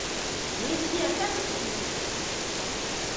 Нідзе танней не купіце!